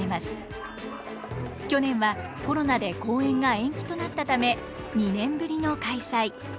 去年はコロナで公演が延期となったため２年ぶりの開催。